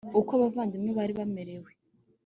uko abavandimwe bari bamerewe